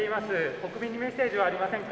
国民にメッセージはありませんか。